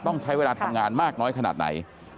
ต้องใช้เวลาทำงานมากน้อยขนาดไหน